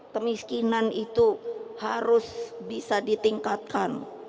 kemiskinan itu harus bisa ditingkatkan